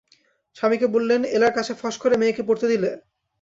স্বামীকে বললেন, এলার কাছে ফস করে মেয়েকে পড়তে দিলে!